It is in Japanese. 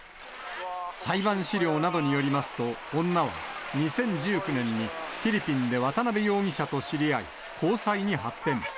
裁判資料などによりますと、女は、２０１９年にフィリピンで渡辺容疑者と知り合い、交際に発展。